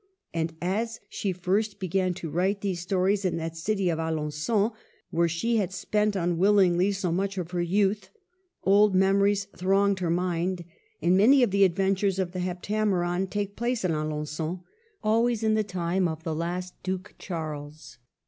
And as she first began to write these stories in that city of Alengon where she had spent unwillingly so much of her youth, old memories thronged her mind; and many of the adventures of the " Heptameron " take place at Alen^on, always " in the time of the last Duke Charles."